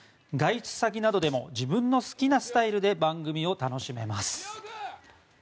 外出先などでも自分の好きなスタイルで番組を楽しめます。